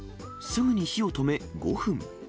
すぐに火を止め５分。